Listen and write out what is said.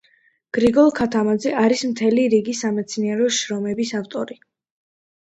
გრიგოლ ქათამაძე არის მთელი რიგი სამეცნიერო შრომების ავტორი.